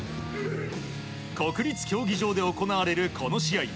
国立競技場で行われるこの試合。